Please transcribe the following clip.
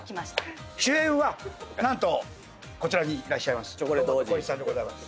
主演は何とこちらにいらっしゃいます堂本光一さんでございます。